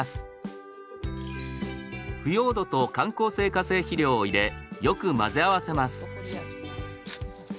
腐葉土と緩効性化成肥料を入れよく混ぜ合わせます。